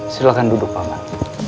silahkan duduk pak man